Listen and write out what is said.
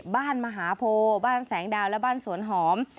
บ้านมหาโพบ้านแสงดาวและบ้านสวนหอม